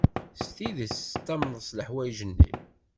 S tidet tettamneḍ leḥwayeǧ-nni?